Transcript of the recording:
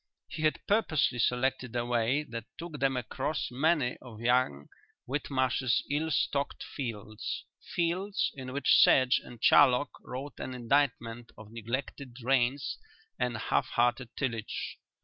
He had purposely selected a way that took them across many of young Whitmarsh's ill stocked fields, fields in which sedge and charlock wrote an indictment of neglected drains and half hearted tillage.